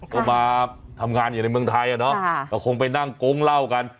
ก็มาทำงานอยู่ในเมืองไทยอ่ะเนาะก็คงไปนั่งโก๊งเล่ากัน